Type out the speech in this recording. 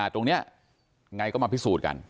ตรงนี้ไงก็มาพิสูจน์กัน